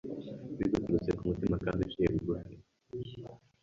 biguturutse ku mutima kandi rwose uciye bugufi.